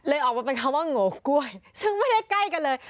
ออกมาเป็นคำว่าโงกล้วยซึ่งไม่ได้ใกล้กันเลย